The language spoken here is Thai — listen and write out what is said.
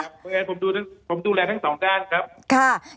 ผมดูแลทั้งสองด้านครับ